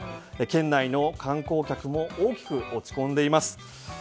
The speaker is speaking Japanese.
県内の観光客も大きく落ち込んでいます。